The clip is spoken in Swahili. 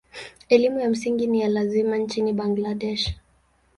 Elimu ya msingi ni ya lazima nchini Bangladesh.